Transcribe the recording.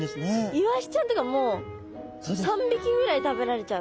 イワシちゃんとかもう３匹ぐらい食べられちゃう。